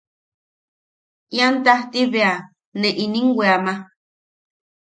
Ian tajti bea ne inim weama.